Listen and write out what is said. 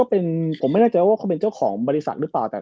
ผมไม่น่าใจว่ามันก็เป็นเจ้าของบริษัท